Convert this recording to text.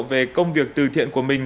về công việc từ thiện của mình